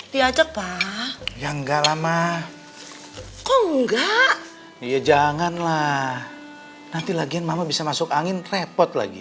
diajak pak yang gak lama kok enggak ya janganlah nanti lagian mama bisa masuk angin repot lagi